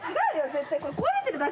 絶対。